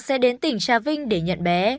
sẽ đến tỉnh trà vinh để nhận bé